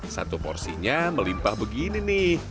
satu porsinya melimpah begini nih